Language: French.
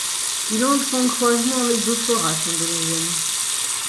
Il entre en croisement avec d'autres races indonésiennes.